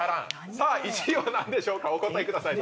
さぁ１位は何でしょうかお答えください